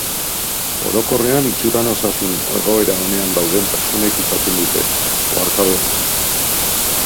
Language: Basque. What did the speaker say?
Orokorrean, itxuran osasun egoera onean dauden pertsonek izaten dute, oharkabean.